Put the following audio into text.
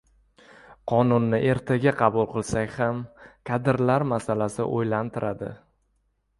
Qonunni ertaga qabul qilsak, ham kadrlar masalasi oʻylantiradi...